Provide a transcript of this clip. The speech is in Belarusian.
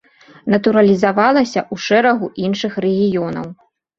Натуралізавалася ў шэрагу іншых рэгіёнаў.